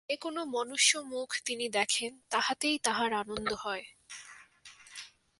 যে-কোন মনুষ্যমুখ তিনি দেখেন, তাহাতেই তাঁহার আনন্দ হয়।